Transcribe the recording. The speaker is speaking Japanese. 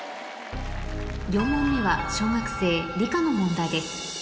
４問目は小学生理科の問題です